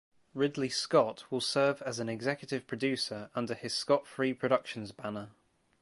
Ridley Scott will serve as an executive producer under his Scott Free Productions banner.